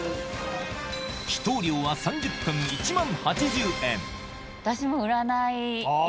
祈祷料は３０分１万８０円私も。